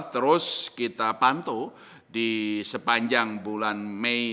terus kita pantu di sepanjang bulan maret